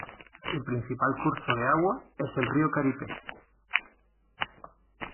El principal curso de agua es el río Caripe.